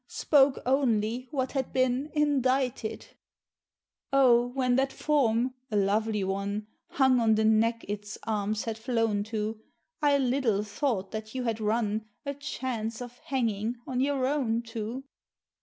Spoke only what had been indicted! Oh! when that form, a lovely one, Hung on the neck its arms had flown to, I little thought that you had run A chance of hanging on your own too.